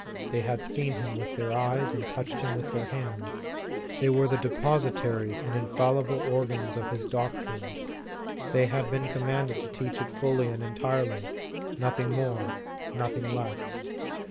They had seen Him with their eyes and touched Him with their hands. They were the depositaries and infallible organs of His doctrine. They had been commanded to teach it fully and entirely, nothing more, nothing less.